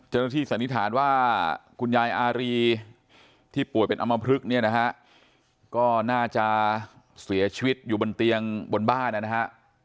สันนิษฐานว่าคุณยายอารีที่ป่วยเป็นอำมพลึกเนี่ยนะฮะก็น่าจะเสียชีวิตอยู่บนเตียงบนบ้านนะฮะ